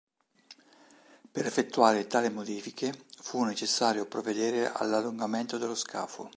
Per effettuare tali modifiche, fu necessario provvedere all'allungamento dello scafo.